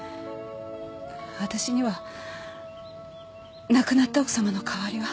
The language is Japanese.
私には亡くなった奥様の代わりは。